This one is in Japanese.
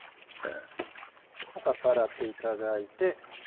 サッと洗っていただいて。